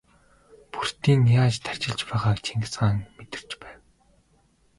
Бөртийн яаж тарчилж байгааг Чингис хаан мэдэрч байв.